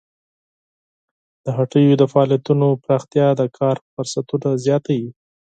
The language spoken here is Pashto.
د هټیو د فعالیتونو پراختیا د کار فرصتونه زیاتوي.